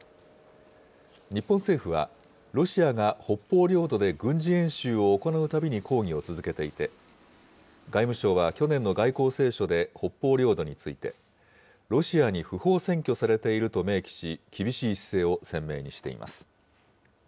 日本政府は、ロシアが北方領土で軍事演習を行うたびに抗議を続けていて、外務省は去年の外交青書で北方領土について、ロシアに不法占拠されていると明記し、厳しい姿勢を鮮明しています。